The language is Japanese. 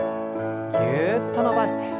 ぎゅっと伸ばして。